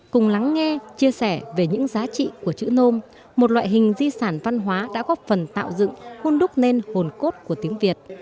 cùng lắng nghe chia sẻ về những giá trị của chữ nôm một loại hình di sản văn hóa đã góp phần tạo dựng khuôn đúc nên hồn cốt của tiếng việt